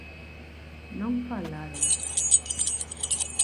Non falaron.